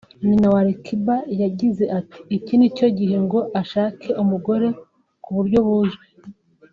Nyina wa Ali Kiba yagize ati”Iki ni cyo gihe ngo ashake umugore ku buryo buzwi